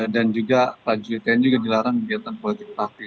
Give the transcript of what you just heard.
dan juga rajul tni juga dilarang kegiatan politik praktis